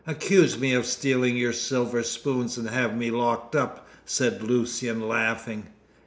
"Accuse me of stealing your silver spoons and have me locked up," said Lucian, laughing.